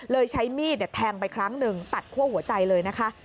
ใช้มีดแทงไปครั้งหนึ่งตัดคั่วหัวใจเลยนะคะ